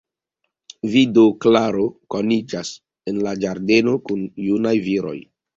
Vi do, Klaro, koniĝas en la ĝardeno kun junaj viroj?